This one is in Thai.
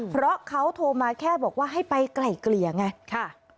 เพราะเขาโทรมาแค่บอกว่าให้ไปไกล่เกลี่ยไงค่ะ